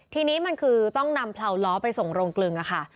ทีนี้มันคือต้องนำเลาล้อไปส่งโรงกลึงค่ะ